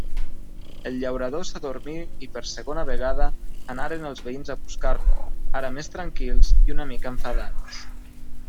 El llaurador s'adormí i per segona vegada anaren els veïns a buscar-lo, ara més tranquils i una mica enfadats.